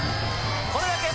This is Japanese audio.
これだけ！